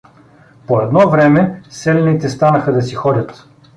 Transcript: По едно време селяните станаха да си ходят.